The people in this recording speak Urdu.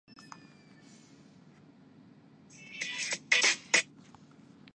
تو دوسرے کو بھی یہ حق حاصل ہے۔